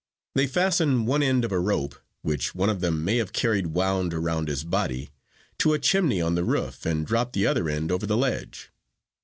They fasten one end of a rope (which one of them may have carried wound around his body) to a chimney on the roof and drop the other end over the ledge.